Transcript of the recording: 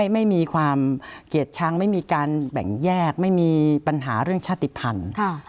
ไม่มีความเกลียดชังไม่มีการแบ่งแยกไม่มีปัญหาเรื่องชาติภัณฑ์